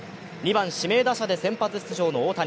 ２番・指名打者で先発出場の大谷。